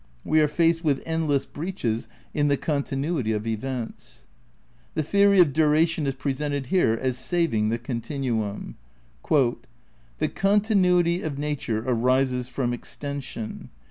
We are faced with endless breaches in the continuity of events. The theory of duration is presented here as saving the continuum. "The continuity of nature arises from extension.